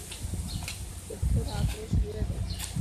ڪتو رات رو سوي تيو.